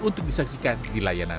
untuk disaksikan untuk mencari penyelamat